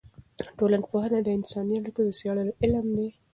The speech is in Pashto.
ټولنپوهنه د انساني اړیکو د څېړلو علم دی.